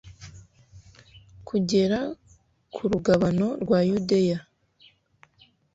kugera ku rugabano rwa yudeya